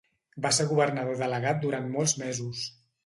Va ser governador delegat durant molts mesos.